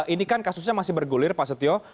ini kan kasusnya masih bergulir pak setio